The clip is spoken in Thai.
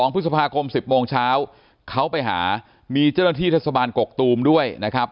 พฤษภาคม๑๐โมงเช้าเขาไปหามีเจ้าหน้าที่เทศบาลกกตูมด้วยนะครับ